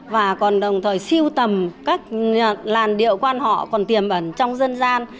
và còn đồng thời siêu tầm các làn điệu quan họ còn tiềm ẩn trong dân gian